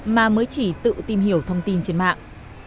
mà mới chỉ tự tìm hiểu thông tin trên mạng